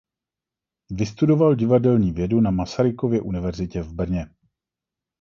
Vystudoval divadelní vědu na Masarykově univerzitě v Brně.